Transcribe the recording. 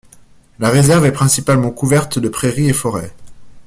La réserve est principalement couverte de prairies et forêts.